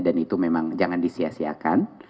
dan itu memang jangan disiasiakan